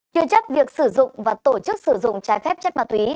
chuyên chấp việc sử dụng và tổ chức sử dụng trái phép chất ma túy